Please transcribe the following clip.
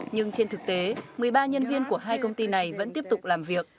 nhưng trên thực tế một mươi ba nhân viên của hai công ty này vẫn tiếp tục làm việc